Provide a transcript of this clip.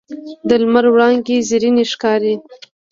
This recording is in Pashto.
د لمر وړانګې زرینې ښکاري